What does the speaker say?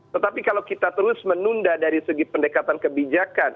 tetapi kalau kita terus menunda dari segi pendekatan kebijakan